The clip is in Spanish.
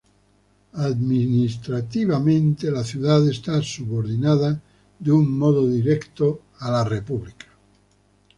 Administrativamente, la ciudad está subordinada de un modo directo a la república.